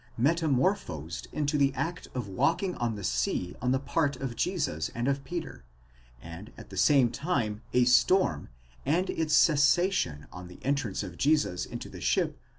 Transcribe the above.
metamorphosed into the act of walking on the sea on the part of Jesus and of Peter, and at the same time a storm, and its cessation on the *6 Schneckenburger, iiber den Urspr., 5.